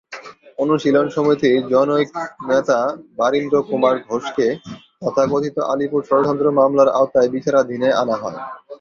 অনুশীলন সমিতির জনৈক নেতা বারীন্দ্রকুমার ঘোষকে তথাকথিত আলীপুর ষড়যন্ত্র মামলার আওতায় বিচারাধীনে আনা হয়।